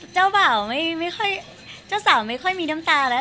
เจ้าสาวไม่ค่อยมีน้ำตาแล้ว